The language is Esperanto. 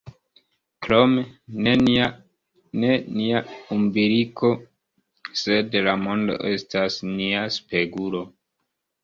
Krome, ne nia umbiliko, sed la mondo estos nia spegulo.